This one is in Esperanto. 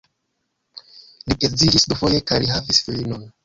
Li edziĝis dufoje kaj li havis filinon.